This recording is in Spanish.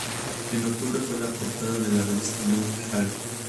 En octubre fue la portada de la revista Men´s Health.